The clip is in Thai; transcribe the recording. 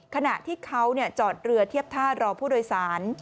ขณะที่เขาจอดเรือเทียบท่ารอผู้โดยสาร